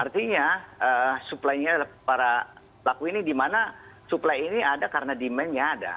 artinya supply nya para pelaku ini dimana supply ini ada karena demandnya ada